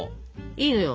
いいのよ。